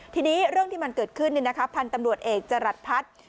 ทีนี้เรื่องที่มันเกิดขึ้นพันธุ์ตำรวจเอกจรัสพัฒน์